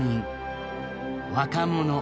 若者。